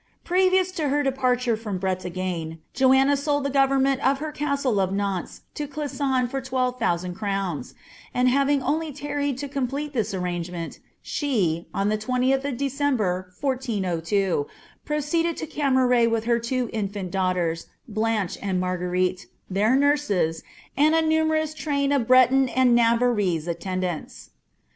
"' Previous to her departure from Breiagne, Joanoa sold t)ie ^ovstbdoI of her castle of Nantes to Ctiason for twelve thousantl crowm; Kti having only larried lo complete this arrangement, she, on the 20th of December, H02, proceeded to Cnmaiet with her two infant dauetilfn. Bluni he and 3Iarguerite, tiieir nurses, and a numerous tnin of bicua >nd Navarrese attendants.'